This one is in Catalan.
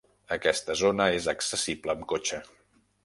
Aquesta zona és accessible amb cotxe.